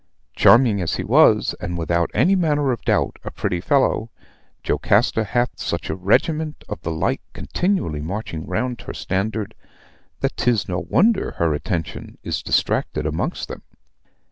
Charming as he was, and without any manner of doubt a pretty fellow, Jocasta hath such a regiment of the like continually marching round her standard, that 'tis no wonder her attention is distracted amongst them.